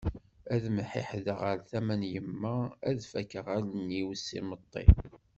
Ad mḥiḥdeɣ ɣer tama n yemma ad d-fakkeɣ allen-iw s yimeṭṭi.